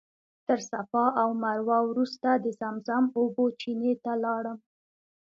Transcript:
تر صفا او مروه وروسته د زمزم اوبو چینې ته لاړم.